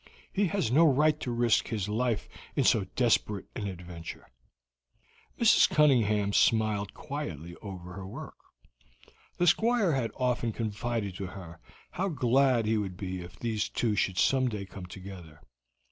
He has no right to risk his life in so desperate an adventure." Mrs. Cunningham smiled quietly over her work. The Squire had often confided to her how glad he would be if these two should some day come together.